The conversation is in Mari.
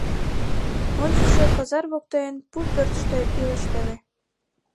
Ончычшо пазар воктен пу пӧртыштӧ илыштеве.